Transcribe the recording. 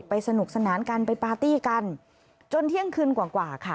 สนุกสนานกันไปปาร์ตี้กันจนเที่ยงคืนกว่ากว่าค่ะ